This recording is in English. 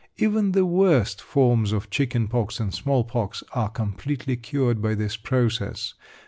Even the worst forms of chicken pox and small pox are completely cured by this process.